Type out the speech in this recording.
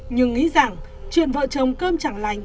nhưng nghĩ rằng chuyện vợ chồng cơm chẳng lành